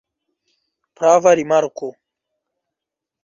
Prava rimarko.